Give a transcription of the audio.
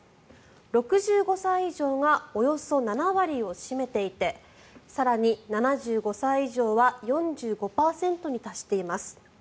６５歳以上がおよそ７割を占めていて更に７５歳以上は４５％に達しています。